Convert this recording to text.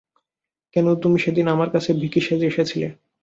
কেন তুমি সেদিন আমার কাছে ভিকি সেজে এসেছিলে?